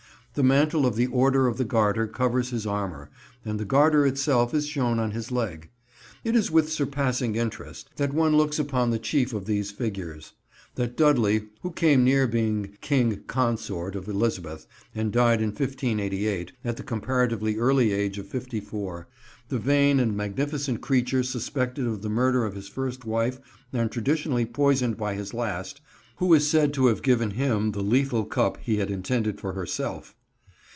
The mantle of the Order of the Garter covers his armour, and the Garter itself is shown on his leg. It is with surpassing interest that one looks upon the chief of these figures; that Dudley who came near being King Consort of Elizabeth, and died in 1588, at the comparatively early age of fifty four; the vain and magnificent creature suspected of the murder of his first wife and traditionally poisoned by his last, who is said to have given him the lethal cup he had intended for herself.